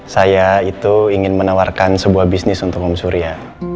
saya itu ingin menawarkan sebuah bisnis untuk om surya